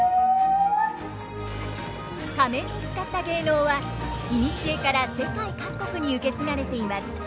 仮面を使った芸能はいにしえから世界各国に受け継がれています。